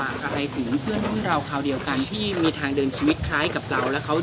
เงินเพื่อนเราคราวเดียวกันที่มีทางเดินชีวิตคล้ายกับเราแล้วเขา